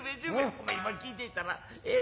お前今聞いていたらえっ？